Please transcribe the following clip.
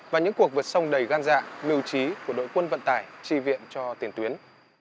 và những cuộc vượt sông đầy gan dạ miêu trí của đội quân vận tải tri viện cho tiền tuyến